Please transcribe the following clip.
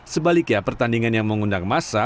sebaliknya pertandingan yang mengundang masa